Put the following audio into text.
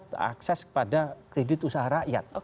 kita punya aset akses kepada kredit usaha rakyat